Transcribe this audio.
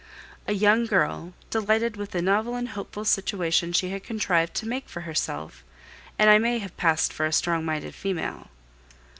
A young girl, delighted with the novel and hopeful situation she had contrived to make for herself, and may have passed for a strong minded female.